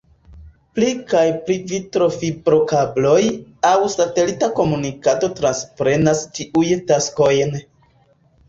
Pli kaj pli vitrofibro-kabloj aŭ satelita komunikado transprenas tiuj taskojn.